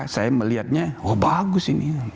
saya melihatnya oh bagus ini